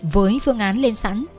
với phương án lên sẵn